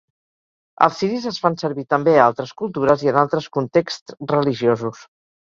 Els ciris es fan servir també a altres cultures i en altres contexts religiosos.